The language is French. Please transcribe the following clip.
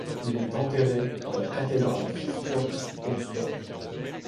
Il est enterré en la cathédrale Christ Church d'Oxford.